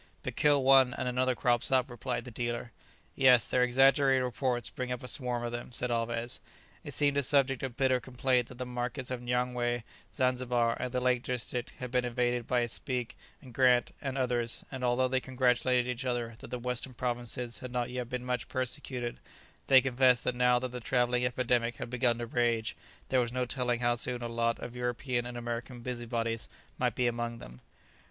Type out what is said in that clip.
"But kill one, and another crops up," replied the dealer. "Yes, their exaggerated reports bring up a swarm of them," said Alvez. It seemed a subject of bitter complaint that the markets of Nyangwé, Zanzibar, and the lake district had been invaded by Speke and Grant and others, and although they congratulated each other that the western provinces had not yet been much persecuted, they confessed that now that the travelling epidemic had begun to rage, there was no telling how soon a lot of European and American busy bodies might be among them.